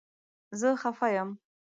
زه خفه یم